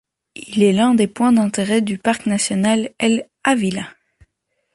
Il est l'un des points d'intérêt du parc national El Ávila.